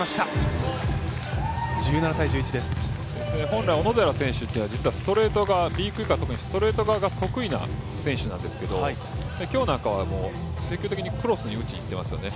本来、小野寺選手はストレート側、Ｂクイック側、ストレート側が得意な選手なんですけど今日なんかは積極的にクロスに打ちに行ってますよね。